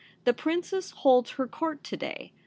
' The Princess holds her Court to day.